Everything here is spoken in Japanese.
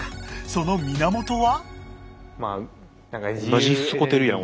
その源は？